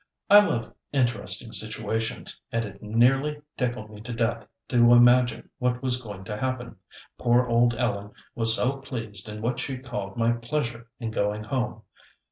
I love interesting situations, and it nearly tickled me to death to imagine what was going to happen. Poor old Ellen was so pleased in what she called my pleasure in going home.